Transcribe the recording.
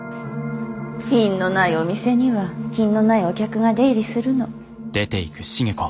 品のないお店には品のないお客が出入りするの。